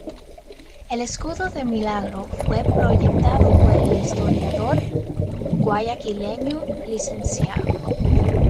El escudo de Milagro fue proyectado por el historiador Guayaquileño Lcdo.